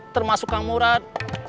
termasuk kang murad